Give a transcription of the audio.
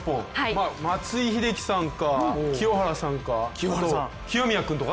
松井秀喜さんか清原さんか清宮君か。